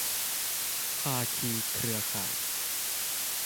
ภาคีเครือข่าย